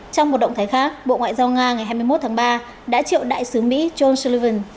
trong một động thái khác bộ ngoại giao nga ngày hai mươi một tháng ba đã triệu đại sứ mỹ john sullivan